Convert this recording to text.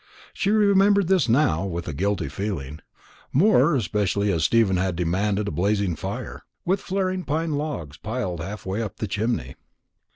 She remembered this now with a guilty feeling, more especially as Stephen had demanded a blazing fire, with flaring pine logs piled half way up the chimney.